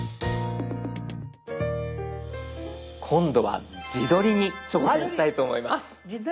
今度は「自撮り」に挑戦したいと思います。